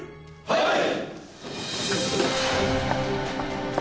はい！